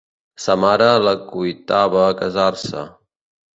Sa mare l'acuitava a casar-se.